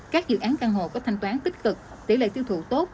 các dự án căn hộ có thanh toán tích cực tỷ lệ tiêu thụ tốt